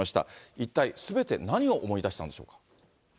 一体、すべて何を思い出したんでしょうか。